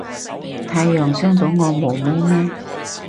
太陽傷到我毛毛咩